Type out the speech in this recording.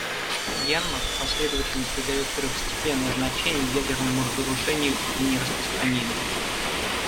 Мьянма последовательно придает первостепенное значение ядерному разоружению и нераспространению.